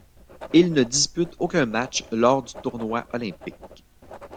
Il ne dispute aucun match lors du tournoi olympique.